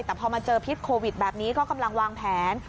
แต่พอมาเจอพิษโควิดแบบนี้ก็กำลังวางแผน